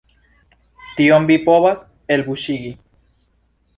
Tion vi povas elbuŝigi!